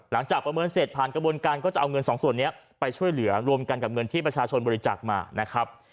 ประเมินเสร็จผ่านกระบวนการก็จะเอาเงินสองส่วนนี้ไปช่วยเหลือรวมกันกับเงินที่ประชาชนบริจาคมานะครับ